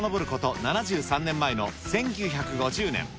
７３年前の１９５０年。